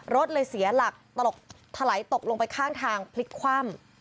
รถเลยเสียหลักถลายตกลงไปข้างทางพลิกคว่ำ